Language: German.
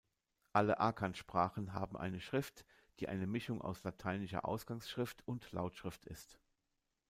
Alle Akan-Sprachen haben eine Schrift, die eine Mischung aus lateinischer Ausgangsschrift und Lautschrift ist.